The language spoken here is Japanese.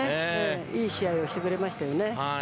いい試合をしてくれましたよね。